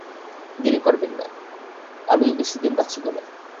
দেরি করিবেন না— আমি বেশি দিন বাঁচিব না।